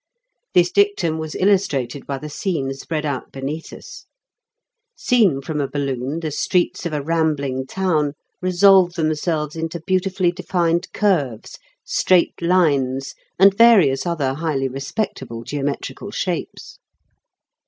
This dictum was illustrated by the scene spread out beneath us. Seen from a balloon the streets of a rambling town resolve themselves into beautifully defined curves, straight lines, and various other highly respectable geometrical shapes.